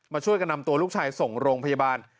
ช่วยกันนำตัวลูกชายส่งโรงพยาบาล